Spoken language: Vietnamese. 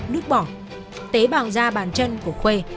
nước bỏ tế bào da bàn chân của khuê